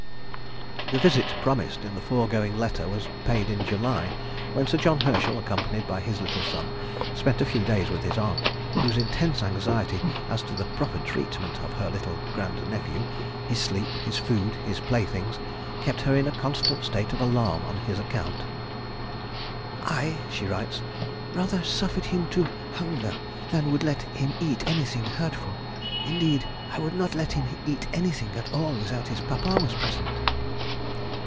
The visit promised in the foregoing letter was paid in July, when Sir John Herschel, accompanied by his little son, spent a few days with his aunt, whose intense anxiety as to the proper treatment of her little grand nephew—his sleep, his food, his playthings—kept her in a constant state of alarm on his account. "I," she writes, "rather suffered him to hunger than would let him eat anything hurtful; indeed, I would not let him eat anything at all without his papa was present."